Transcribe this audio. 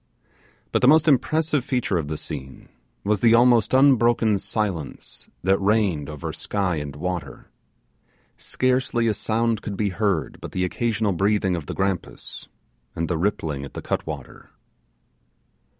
But the most impressive feature of the scene was the almost unbroken silence that reigned over sky and water. Scarcely a sound could be heard but the occasional breathing of the grampus, and the rippling at the cut water.